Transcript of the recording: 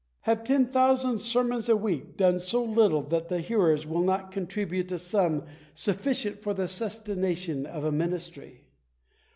Have ten thousand sermons a week done so little that the hearers will not contribute a sum sufficient for the sustenta tion of a ministry